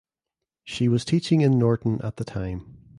She was teaching in Norton at the time.